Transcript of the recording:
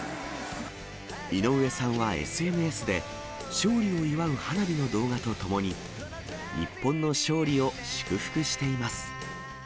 井上さんはＳＮＳで、勝利を祝う花火の動画とともに、日本の勝利を祝福しています。